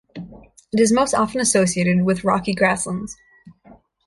It is most often associated with rocky grasslands.